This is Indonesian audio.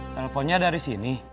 teleponnya dari sini